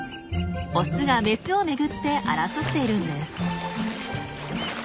オスがメスを巡って争っているんです。